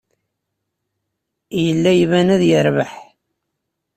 Yella iban ad yerbeḥ.